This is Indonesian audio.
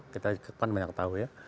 kita kan banyak tahu ya